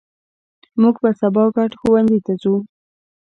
مونږ به سبا ګډ ښوونځي ته ځو